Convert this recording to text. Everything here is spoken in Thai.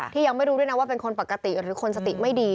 ยังไม่รู้ด้วยนะว่าเป็นคนปกติหรือคนสติไม่ดี